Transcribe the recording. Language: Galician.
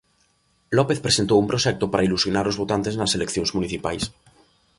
López presentou un proxecto para ilusionar os votantes nas eleccións municipais.